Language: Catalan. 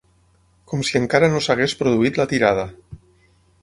Com si encara no s'hagués produït la tirada.